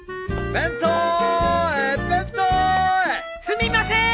すみませーん！